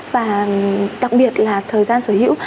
và đặc biệt là thời gian sở hữu